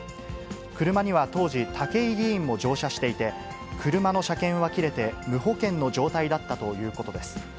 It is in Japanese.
車には当時、武井議員も乗車していて、車の車検は切れて、無保険の状態だったということです。